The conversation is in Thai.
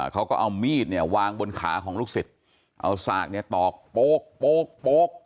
เขาก็เอามีดเนี่ยวางบนขาของลูกศิษย์เอาสากเนี่ยตอกโป๊กโป๊ก